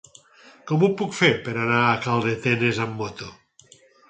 Com ho puc fer per anar a Calldetenes amb moto?